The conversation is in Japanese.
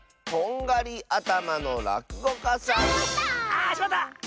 あしまった！